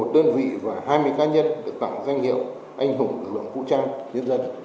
một mươi một đơn vị và hai mươi ca nhân được tặng danh hiệu anh hùng lực lượng vũ trang nhân dân